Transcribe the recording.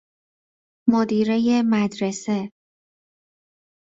مدیرۀ مدرسه